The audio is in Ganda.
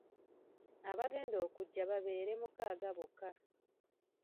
Abagenda okujja babeere mukaaga bokka.